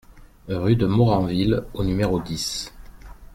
Rue de Moranville au numéro dix